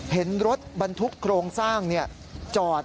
เห็นรถบรรทุกโครงสร้างจอด